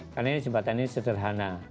karena jembatan ini sederhana